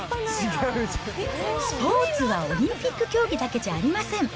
スポーツはオリンピック競技だけじゃありません。